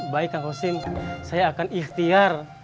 baik kang husin saya akan ikhtiar